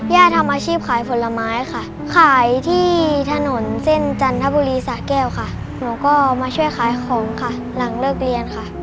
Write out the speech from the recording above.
ทำอาชีพขายผลไม้ค่ะขายที่ถนนเส้นจันทบุรีสะแก้วค่ะหนูก็มาช่วยขายของค่ะหลังเลิกเรียนค่ะ